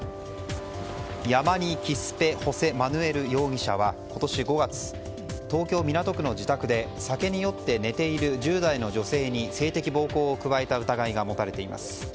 ヤマニ・キスペ・ホセ・マヌエル容疑者は今年５月、東京・港区の自宅で酒に酔って寝ている１０代の女性に性的暴行を加えた疑いが持たれています。